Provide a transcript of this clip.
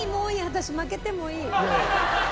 私負けてもいい。